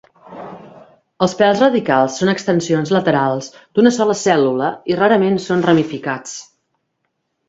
Els pèls radicals són extensions laterals d'una sola cèl·lula i rarament són ramificats.